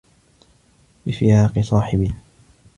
بِفِرَاقِ صَاحِبٍ